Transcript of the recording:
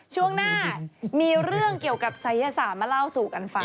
ช่วงหน้ามีเรื่องเกี่ยวกับศัยศาสตร์มาเล่าสู่กันฟัง